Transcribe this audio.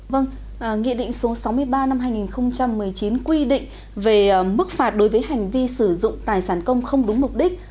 vâng nghị định số sáu mươi ba năm hai nghìn một mươi chín quy định về mức phạt đối với hành vi sử dụng tài sản công không đúng mục đích